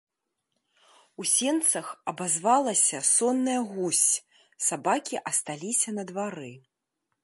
У сенцах абазвалася сонная гусь, сабакі асталіся на двары.